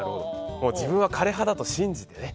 自分は枯れ葉だと信じて。